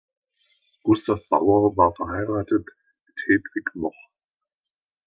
Gustav Bauer war verheiratet mit Hedwig Moch.